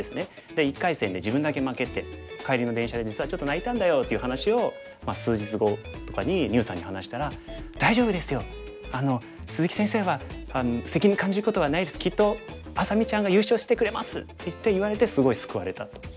で１回戦で自分だけ負けて「帰りの電車で実はちょっと泣いたんだよ」っていう話を数日後とかに牛さんに話したら「大丈夫ですよ！鈴木先生は責任感じることはないです。きっと愛咲美ちゃんが優勝してくれます」って言われてすごい救われたと。